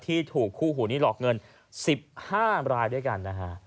ที่ถูกคู่หูนี้หลอกเงิน๑๕รายด้วยกันนะฮะ